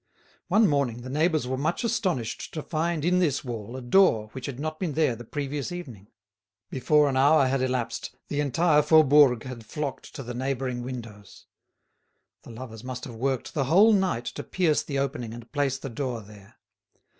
One morning the neighbours were much astonished to find in this wall a door which had not been there the previous evening. Before an hour had elapsed, the entire Faubourg had flocked to the neighbouring windows. The lovers must have worked the whole night to pierce the opening and place the door there.